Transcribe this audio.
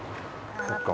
そっか